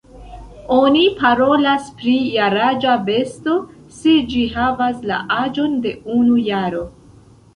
Oni parolas pri jaraĝa besto, se ĝi havas la aĝon de unu jaro.